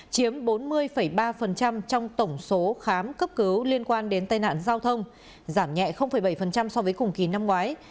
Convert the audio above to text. chiếm bốn mươi ba trong tổng số khám cấp cứu liên quan đến tai nạn giao thông giảm nhẹ bảy so với cùng kỳ năm ngoái